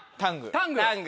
タング。